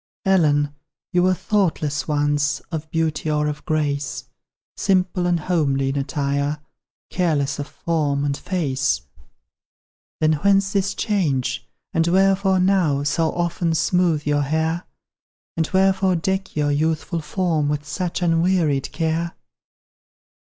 Ellen, you were thoughtless once Of beauty or of grace, Simple and homely in attire, Careless of form and face; Then whence this change? and wherefore now So often smoothe your hair? And wherefore deck your youthful form With such unwearied care?